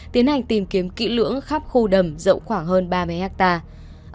tiến hành tìm kiếm kỹ lưỡng khắp khu đầm rộng khoảng hơn ba mươi hectare